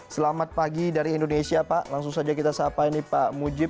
selamat pagi dari indonesia pak langsung saja kita sapa ini pak mujib